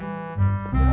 terima kasih ya allah